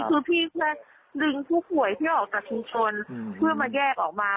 คือพี่แค่ดึงผู้ป่วยที่ออกจากชุมชนเพื่อมาแยกออกมา